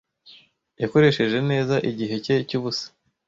Yakoresheje neza igihe cye cy'ubusa.